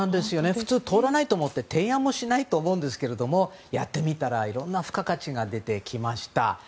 普通、通らないと思って提案もしないと思いますがやってみたらいろんな付加価値が出てきました。